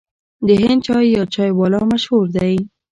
د هند چای یا چای والا مشهور دی.